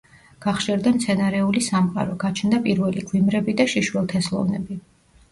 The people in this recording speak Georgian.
გახშირდა მცენარეული სამყარო, გაჩნდა პირველი გვიმრები და შიშველთესლოვნები.